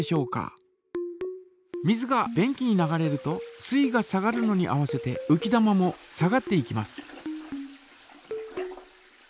水が便器に流れると水位が下がるのに合わせてうき玉も下がっていきます。